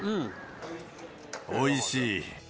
おいしい。